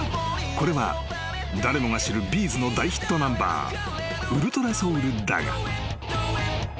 ［これは誰もが知るＢ’ｚの大ヒットナンバー『ｕｌｔｒａｓｏｕｌ』だが］